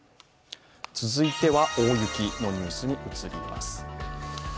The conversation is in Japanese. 続いては、大雪のニュースに移ります。